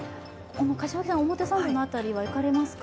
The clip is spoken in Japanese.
表参道の辺りは行かれますか？